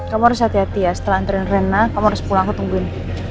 kamu harus hati hati ya setelah antren renang kamu harus pulang aku tungguin